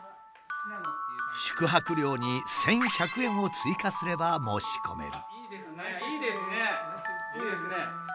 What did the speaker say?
宿泊料に１，１００円を追加すれば申し込める。